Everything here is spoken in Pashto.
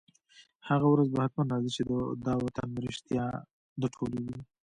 هغه ورځ به حتماً راځي، چي دا وطن به رشتیا د ټولو وي